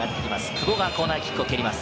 久保がコーナーキックを切ります。